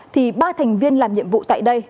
thì ba thành viên làm nhiệm vụ tại đây